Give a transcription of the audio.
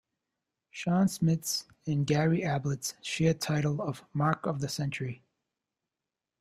Shaun Smith's and Gary Ablett's shared title of "Mark of the Century".